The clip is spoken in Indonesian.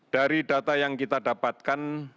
dari data yang kita dapatkan